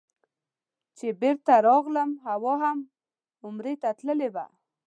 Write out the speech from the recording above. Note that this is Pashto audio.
چې بېرته راغلم حوا هم عمرې ته تللې وه.